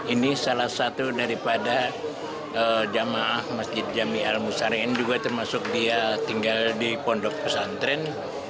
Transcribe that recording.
ini salah satu daripada jamaah masjid jami al musari ini juga termasuk dia tinggal di pondok pesantren